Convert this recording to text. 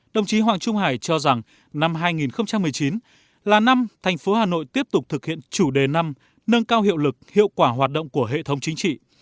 đồng chí hoàng trung hải cho rằng năm hai nghìn một mươi chín là năm thành phố hà nội tiếp tục thực hiện chủ đề năm nâng cao hiệu lực hiệu quả hoạt động của hệ thống chính trị